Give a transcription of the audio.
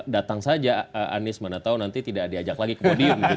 datang saja anies mana tau nanti tidak diajak lagi ke podium gitu kan